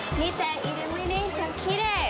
イルミネーションきれい。